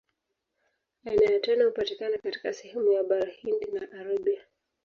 Aina ya tano hupatikana katika sehemu ya Bara Hindi na Arabia.